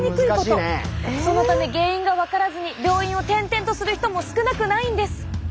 そのため原因が分からずに病院を転々とする人も少なくないんです。